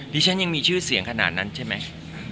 ฉันยังมีชื่อเสียงขนาดนั้นใช่ไหม